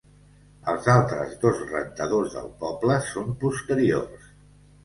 Els altres dos rentadors del poble són posteriors.